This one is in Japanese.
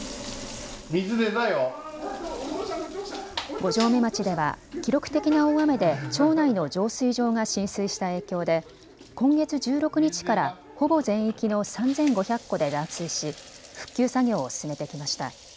五城目町では記録的な大雨で町内の浄水場が浸水した影響で今月１６日からほぼ全域の３５００戸で断水し復旧作業を進めてきました。